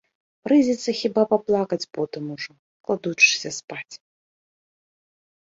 Прыйдзецца хіба паплакаць потым ужо, кладучыся спаць.